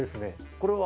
これは？